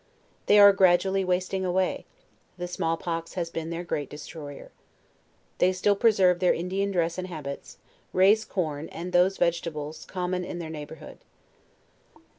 They are gradually wasting away; the small pox has been their great destroyer. They still preserve their In dian dress and habits, raise corn aiid those vegetables com mon in their neighborhood.